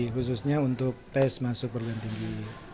khususnya untuk tes masuk perguruan tinggi